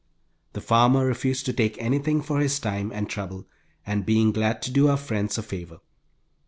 The farmer refused to take anything for his time and trouble, being glad to do our friends a favor.